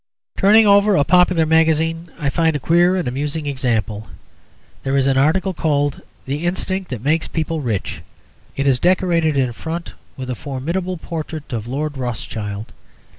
Turning over a popular magazine, I find a queer and amusing example. There is an article called "The Instinct that Makes People Rich." It is decorated in front with a formidable portrait of Lord Rothschild.